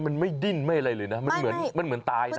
มันไม่ดิ้นไม่อะไรเลยนะมันเหมือนตายนะ